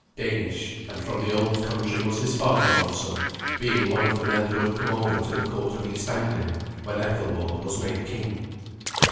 Danish, and from the old country, was his father also, being one of the men who had come over to the court of East Anglia when Ethelwald was made king.